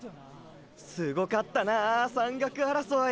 すごかったなー山岳争い！